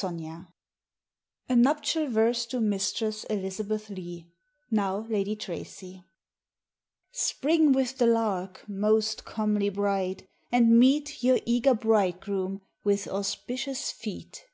191 \ A NupticUl Verse to Mistresse Elizabeth Lee, now Lady TracieJ CPRING with the Larke, most comely Bride, and meet Your eager Bridegroome with auspitious feet.